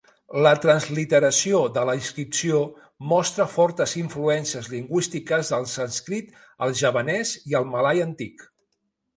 La transliteració de la inscripció mostra fortes influències lingüístiques del sànscrit, el javanès i el malai antic.